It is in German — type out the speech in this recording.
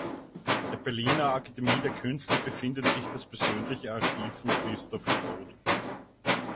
In der Berliner Akademie der Künste befindet sich das persönliche Archiv von Christoph Schroth.